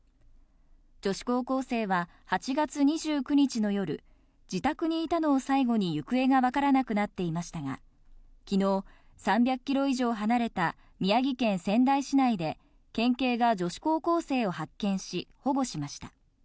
女子高校生は、８月２９日の夜、自宅にいたのを最後に行方が分からなくなっていましたが、きのう、３００キロ以上離れた宮城県仙台市内で、県警が女子高校生を発見し、保護しました。